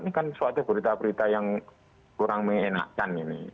ini kan suatu berita berita yang kurang mengenakan ini